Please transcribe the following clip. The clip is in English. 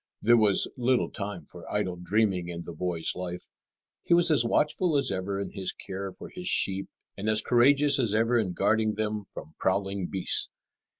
There was little time for idle dreaming in the boy's life. He was as watchful as ever in his care for his sheep and as courageous as ever in guarding them from prowling beasts.